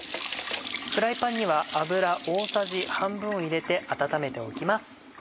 フライパンには油大さじ半分を入れて温めておきます。